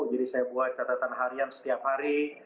jadi saya buat catatan harian setiap hari